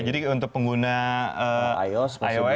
jadi untuk pengguna ios masih belum bisa